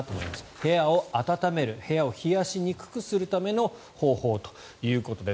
部屋を暖める部屋を冷やしにくくするための方法ということです。